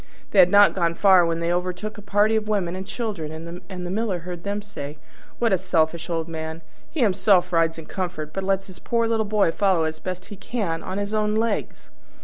They had not gone far when they overtook a party of women and children, and the Miller heard them say, "What a selfish old man! He himself rides in comfort, but lets his poor little boy follow as best he can on his own legs!"